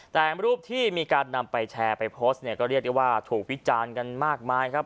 แต่รูปที่มีการนำไปแชร์ไปโพสต์เนี่ยก็เรียกได้ว่าถูกวิจารณ์กันมากมายครับ